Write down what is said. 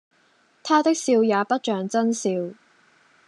他的笑也不像眞笑。